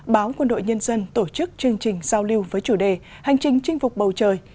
báo quân đội nhân dân tổ chức chương trình giao lưu với chủ đề hành trình chinh phục bầu trời